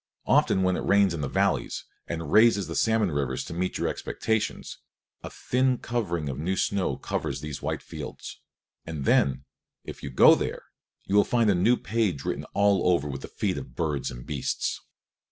Often when it rains in the valleys, and raises the salmon rivers to meet your expectations, a thin covering of new snow covers these white fields; and then, if you go there, you will find the new page written all over with the feet of birds and beasts.